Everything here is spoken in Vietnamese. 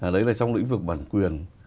đấy là trong lĩnh vực bản quyền